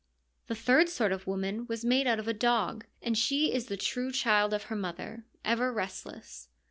The third sort of woman was made out of a dog, and she is the true child of her mother, ever restless.